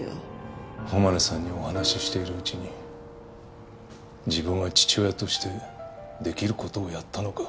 誉さんにお話ししているうちに自分は父親としてできることをやったのか。